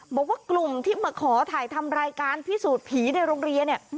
บอกว่ากลุ่มที่มาขอถ่ายทำรายการพิสูจน์ผีในโรงเรียนเนี่ย